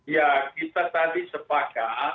ya kita tadi sepakat